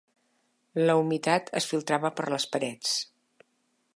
La humitat es filtrava per les parets.